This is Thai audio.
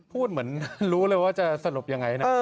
พูดเหมือนรู้เลยว่าจะสรุปยังไงนะ